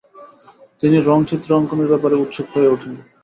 তিনি রঙচিত্র অঙ্কনের ব্যাপারে উৎসুক হয়ে ওঠেন।